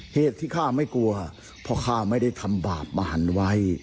เหตุที่ข้าไม่กลัวเพราะข้าไม่ได้ทำบาปมหันไว้